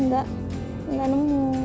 enggak enggak nunggu